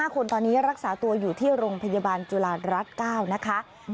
๕คนตอนนี้รักษาตัวอยู่ที่โรงพยาบาลจุฬารัฐ๙นะคะ